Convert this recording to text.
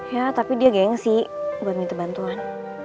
ya tapi dia gengsi gue minta bantuan